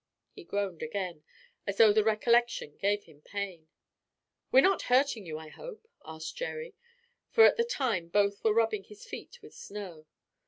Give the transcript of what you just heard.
He groaned again, as though the recollection gave him pain. "We're not hurting you, I hope?" asked Jerry; for at the time both were rubbing his feet with snow.